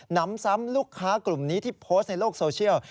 นำซ้ำลูกค้ากลุ่มนี้ที่โพสต์ในโลกโซเชียล